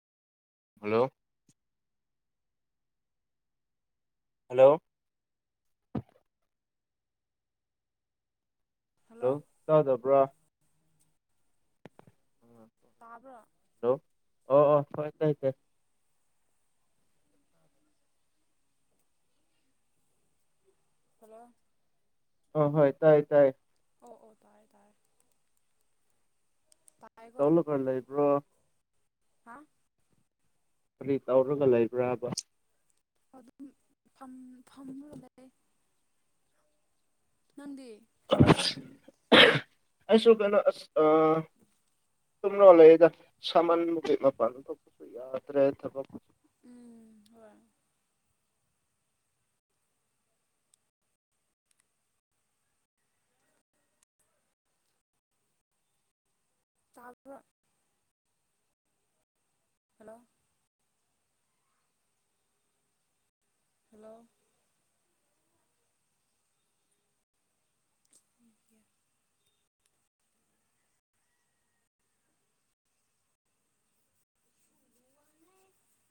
hello hello ꯍ hello ꯆꯥꯗꯕ꯭ꯔꯥ ꯇꯥꯕ꯭ꯔꯣ ꯍꯂꯣ ꯑꯣ ꯑꯣ ꯍ ꯇ ꯍꯜꯂꯣ ꯑ ꯍꯣꯏ ꯇꯥꯏꯌꯦ ꯇꯥꯏꯌꯦ ꯑꯣ ꯑꯣ ꯇꯥꯏ ꯇꯥꯏ ꯇꯂ ꯈꯔ ꯂꯩꯕ꯭ꯔꯣ ꯍꯥ ꯀꯔꯤ ꯇꯧꯔꯒ ꯂꯩꯕ꯭ꯔꯥꯕ ꯑꯗꯨꯝ ꯐꯝ ꯐꯝ ꯂꯩꯦ ꯅꯗꯤ ꯑꯁꯨꯣ ꯀꯩꯅꯩꯅꯣ ꯑ ꯁꯨꯝ ꯂꯣꯜꯂꯛꯦꯗ ꯁꯥꯃꯟ ꯃꯀꯠ ꯃꯄꯥꯟ ꯊꯣꯛꯄꯁꯨ ꯌꯥꯗ꯭ꯔꯦ ꯊꯕꯛ ꯎ ꯍꯣꯏ ꯆꯥꯕ ꯍꯜꯂꯣ ꯍꯜꯂꯣ